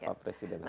pak presiden ada